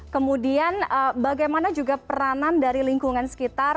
kemudian bagaimana juga peranan dari lingkungan sekitar